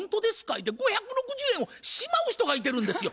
言うて５６０円をしまう人がいてるんですよ。